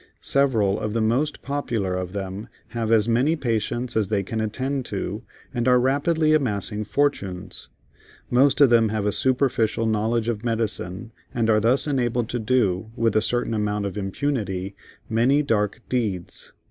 Several of the most popular of them have as many patients as they can attend to, and are rapidly amassing fortunes. Most of them have a superficial knowledge of Medicine, and are thus enabled to do, with a certain amount of impunity, many dark deeds.